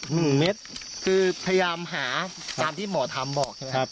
เม็ดคือพยายามหาตามที่หมอทำบอกใช่ไหมครับ